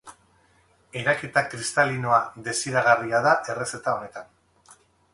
Eraketa kristalinoa desiragarria da errezeta honetan.